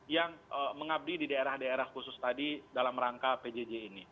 yang mengabdi di daerah daerah khusus tadi dalam rangka pjj ini